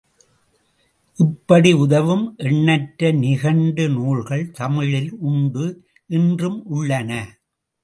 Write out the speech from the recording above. இப்படி உதவும் எண்ணற்ற நிகண்டு நூல்கள் தமிழில் உண்டு இன்றும் உள்ளன.